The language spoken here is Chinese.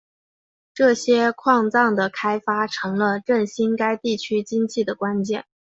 这些矿藏的开发成了振兴该地区经济的关键。